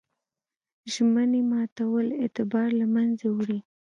ژمنې ماتول اعتبار له منځه وړي.